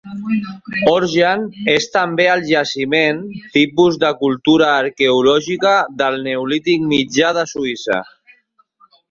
Horgen és també el jaciment tipus de cultura arqueològica del neolític mitjà de Suïssa.